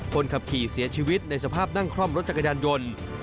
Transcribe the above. คนขับขี่เสียชีวิตในสภาพนั่งคล่อมรถจักรยานยนต์